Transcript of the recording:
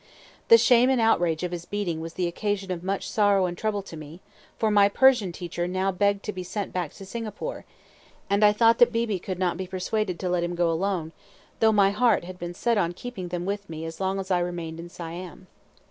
The shame and outrage of his beating was the occasion of much sorrow and trouble to me, for my Persian teacher now begged to be sent back to Singapore, and I thought that Beebe could not be persuaded to let him go alone, though my heart had been set on keeping them with me as long as I remained in Siam.